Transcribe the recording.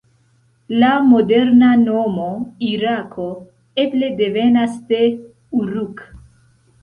La moderna nomo Irako, eble devenas de "Uruk".